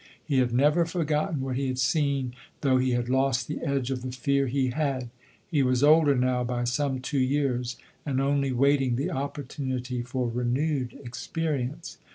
He had never forgotten what he had seen, though he had lost the edge of the fear he had. He was older now by some two years, and only waiting the opportunity for renewed experience.